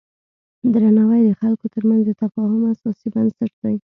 درناوی د خلکو ترمنځ د تفاهم اساسي بنسټ دی.